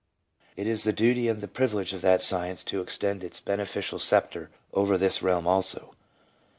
It is the duty and the privilege of that science to extend its beneficial sceptre over this realm also.